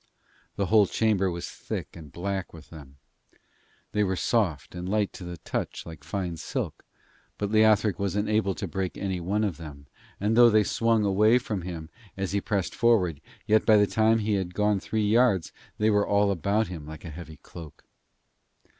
The whole chamber was thick and black with them. They were soft and light to the touch, like fine silk, but Leothric was unable to break any one of them, and though they swung away from him as he pressed forward, yet by the time he had gone three yards they were all about him like a heavy cloak.